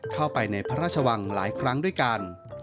เข้าไปในพระราชวังหลายครั้งด้วยกัน